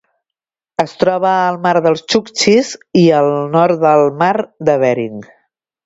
Es troba al Mar dels Txuktxis i el nord del Mar de Bering.